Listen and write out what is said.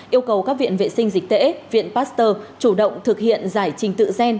yêu cầu các viện vệ sinh dịch tễ viện pasteur chủ động thực hiện giải trình tự gen